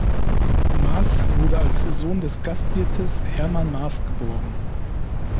Maaß wurde als Sohn des Gastwirtes Hermann Maaß geboren.